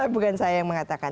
bukan saya yang mengatakan